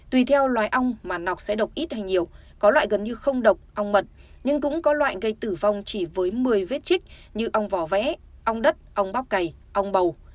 tùy theo loài ong mà nọc sẽ độc ít hay nhiều có loại gần như không độc ong mật nhưng cũng có loại gây tử vong chỉ với một mươi vết chích như ong vỏ vẽ ong đất ong bóc cày ong bầu